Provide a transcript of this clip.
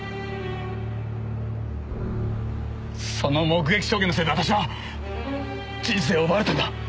その目撃証言のせいで私は人生を奪われたんだ！